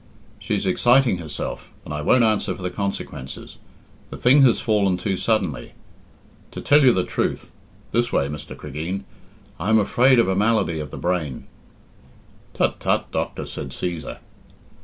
She's exciting herself, and I won't answer for the consequences. The thing has fallen too suddenly. To tell you the truth this way, Mr. Cregeen I am afraid of a malady of the brain." "Tut, tut, doctor," said Cæsar.